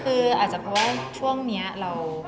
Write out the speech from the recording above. คืออาจจะเพราะว่าช่วงนี้เรา